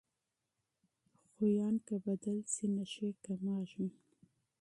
عادتونه که بدل شي نښې کمېږي.